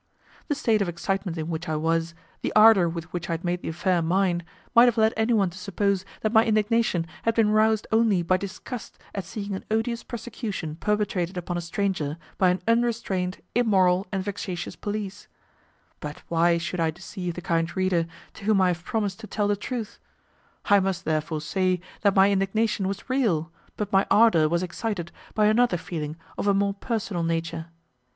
The state of excitement in which I was, the ardour with which I had made the affair mine, might have led anyone to suppose that my indignation had been roused only by disgust at seeing an odious persecution perpetrated upon a stranger by an unrestrained, immoral, and vexatious police; but why should I deceive the kind reader, to whom I have promised to tell the truth; I must therefore say that my indignation was real, but my ardour was excited by another feeling of a more personal nature.